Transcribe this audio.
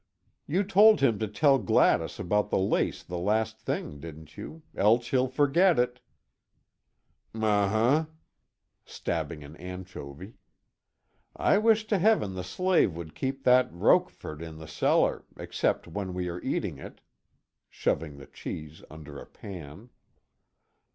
"You told him to tell Gladys about the lace the last thing, didn't you else he'll forget it." "M huh!" stabbing an anchovy. "I wish to heaven the slave would keep that Rocquefort in the cellar, except when we are eating it," shoving the cheese under a pan.